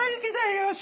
よし。